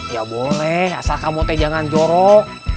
ya boleh asal kamu jangan jorok